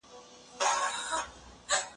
ایا تاسو د خنجر صاحب په اړه څه اورېدلي؟